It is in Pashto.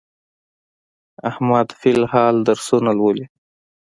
احمد فل الحال درسونه لولي.